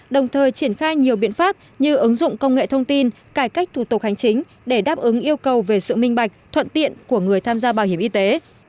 đồng thời triển khai nhiều biện pháp như ứng dụng công nghệ thông tin cải cách thủ tục hành chính để đáp ứng yêu cầu về sự minh bạch thuận tiện của người tham gia bảo hiểm y tế